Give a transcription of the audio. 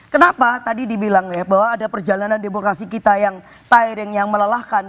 kenapa tadi dibilang ya bahwa ada perjalanan demokrasi kita yang tyring yang melelahkan